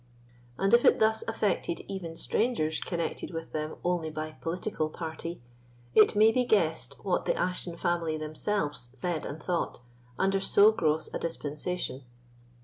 And if it thus affected even strangers connected with them only by political party, it may be guessed what the Ashton family themselves said and thought under so gross a dispensation.